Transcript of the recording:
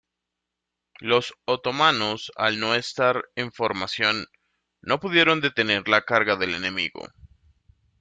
Los otomanos, al no estar en formación, no pudieron detener la carga del enemigo.